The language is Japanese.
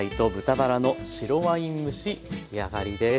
出来上がりです。